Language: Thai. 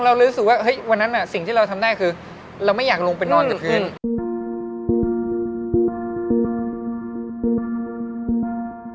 เราเลยรู้สึกว่าเฮ้ยวันนั้นสิ่งที่เราทำได้คือเราไม่อยากลงไปนอนกลางคืน